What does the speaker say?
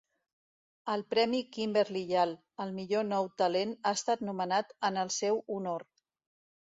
El premi Kimberly Yale al millor nou talent ha estat nomenat en el seu honor.